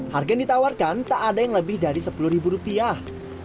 harga yang ditawarkan tak ada yang lebih dari sepuluh ribu rupiah